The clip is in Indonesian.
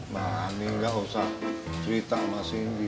mami gak usah cerita sama sindi